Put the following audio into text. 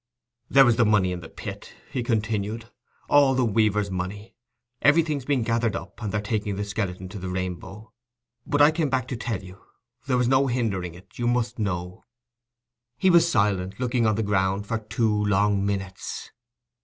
"There was the money in the pit," he continued—"all the weaver's money. Everything's been gathered up, and they're taking the skeleton to the Rainbow. But I came back to tell you: there was no hindering it; you must know." He was silent, looking on the ground for two long minutes.